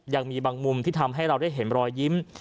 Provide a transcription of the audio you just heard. ยังมีบางมุมที่ทำให้เราได้เห็นรอยยิ้ม